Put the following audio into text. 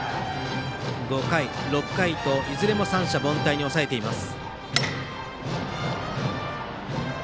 ５回、６回といずれも三者凡退に抑えています。